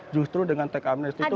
justru dengan teks amnesty itu